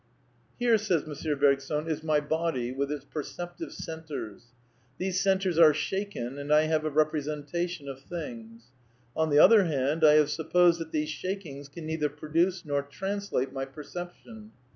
I \ t. 60 A DEFENCE OF IDEALISM " Here," says M. Bergson, " is my body with its * per ceptive centres/ These centres are shaken and I have a representation of things. On the other hand, I have sup posed that these shakings can neither produce nor translate my perception.